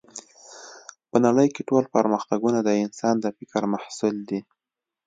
په نړۍ کې ټول پرمختګونه د انسان د فکر محصول دی